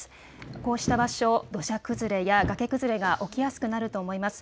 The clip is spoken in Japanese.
こうした場所、土砂崩れや崖崩れが起きやすくなると思います。